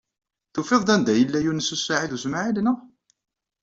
Tufiḍ-d anda yella Yunes u Saɛid u Smaɛil, naɣ?